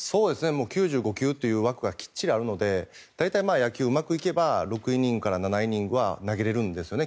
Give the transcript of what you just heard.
９５球という枠がきっちりとあるので大体、野球、うまくいけば６イニングから７イニングは投げれるんですよね。